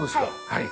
はい。